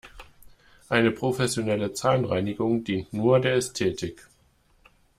Eine professionelle Zahnreinigung dient nur der Ästhetik.